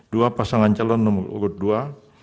dua pasangan calon nomor urut dua